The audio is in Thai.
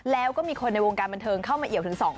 แล้วก็มีคนในวงการบันเทิงเข้ามาเหี่ยวถึง๒คน